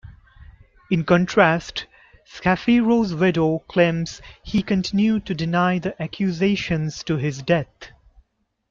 In contrast, Schapiro's widow claims he continued to deny the accusations to his death.